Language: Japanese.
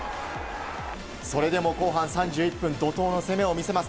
それでも後半３１分怒涛の攻めを見せます。